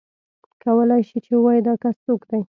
کولای شې چې ووایې دا کس څوک دی.